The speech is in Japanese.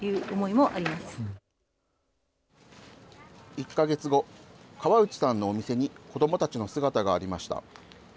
１か月後、河内さんのお店に子どもたちの姿がありました。